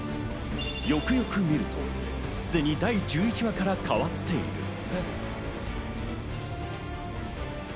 よくよく見ると、すでに第１１話から変わっている。